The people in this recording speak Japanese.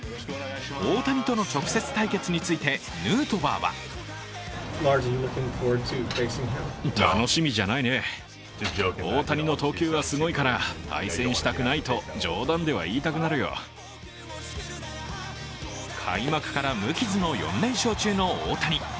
大谷との直接対決についてヌートバーは開幕から無傷の４連勝中の大谷。